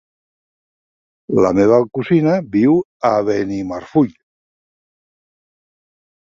La meva cosina viu a Benimarfull.